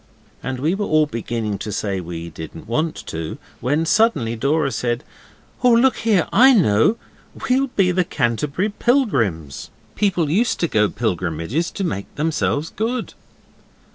And we were all beginning to say we didn't want to, when suddenly Dora said, 'Oh, look here! I know. We'll be the Canterbury Pilgrims. People used to go pilgrimages to make themselves good.